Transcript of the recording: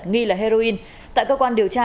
nghi là heroin tại cơ quan điều tra